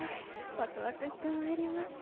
わくわくしてまいりました。